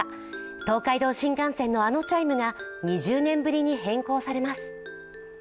東海道新幹線のあのチャイムが２０年ぶりに変更されます。